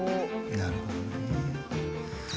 なるほどね。